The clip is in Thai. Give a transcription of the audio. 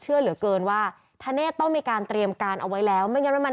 เชื่อเหลือเกินว่าธเนธต้องมีการเตรียมการเอาไว้แล้ว